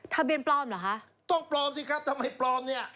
ทะเบียนปลอมเหรอคะต้องปลอมสิครับถ้าไม่ปลอมเนี่ย